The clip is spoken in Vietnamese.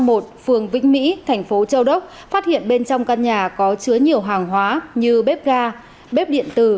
phường vĩnh mỹ thành phố châu đốc phát hiện bên trong căn nhà có chứa nhiều hàng hóa như bếp ga bếp điện tử